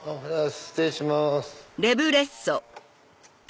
失礼します。